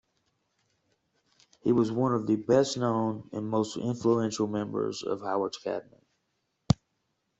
He was one of the best-known and most influential members of Howard's cabinet.